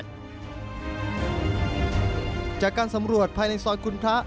จากการสำรวจภายในซอยคุณพระ